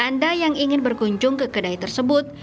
anda yang ingin berkunjung ke kedai tersebut